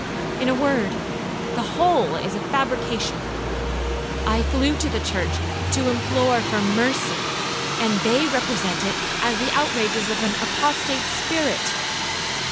In a word, the whole is a fabrication. I flew to the church to implore for mercy, and they represent it as the outrages of an apostate spirit.